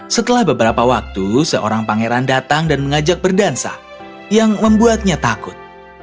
setelah beberapa waktu seorang pangeran datang dan mengajak berdansa yang membuatnya takut